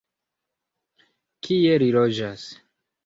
Kie li loĝas?